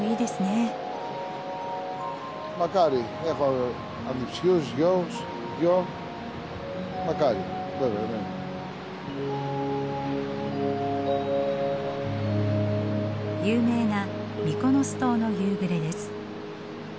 有名なミコノス島の夕暮れです。